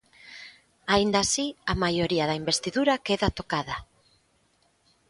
Aínda así, a maioría da investidura queda tocada...